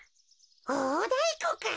おおだいこか。